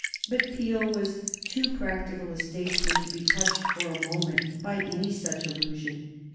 But Peel was too practical a statesman to be touched for a moment by any such illusion.